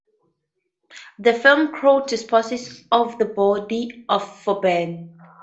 The film crew disposes of the body for Ben.